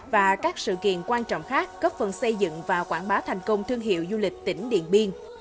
và các sự kiện quan trọng khác cấp phần xây dựng và quảng bá thành công thương hiệu du lịch tỉnh điện biên